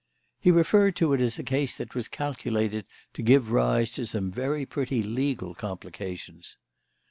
"He referred to it as a case that was calculated to give rise to some very pretty legal complications."